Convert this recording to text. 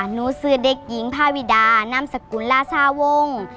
หนูสื่อเด็กหญิงพาวิดานามสกุลลาซาวง